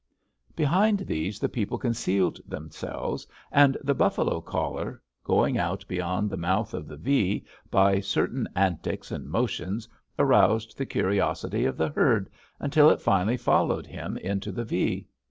Behind these the people concealed themselves, and the buffalo caller, going out beyond the mouth of the V, by certain antics and motions aroused the curiosity of the herd until it finally followed him into the V.